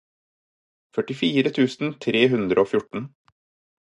førtifire tusen tre hundre og fjorten